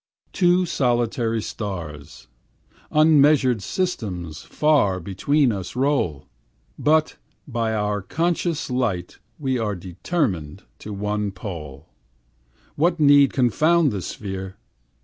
Two solitary stars Unmeasured systems far Between us roll; But by our conscious light we are Determined to one pole. What need confound the sphere?